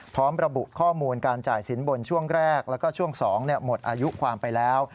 พร้อมระบุข้อมูลการจ่ายสินบนช่วงแรกแล้วก็ช่วง๒หมดอายุความไปแล้ว